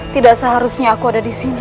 tidak seharusnya aku ada disini